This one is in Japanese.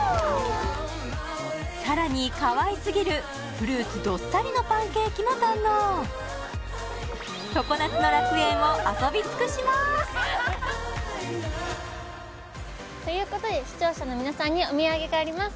さらにかわいすぎるフルーツどっさりのパンケーキも堪能ということで視聴者の皆さんにお土産があります